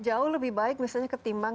jauh lebih baik misalnya ketimbang